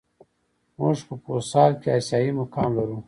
موږ په فوسال کې آسیايي مقام لرو.